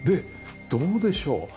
どうでしょう？